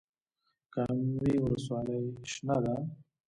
کامې ولسوالۍ شنه ده؟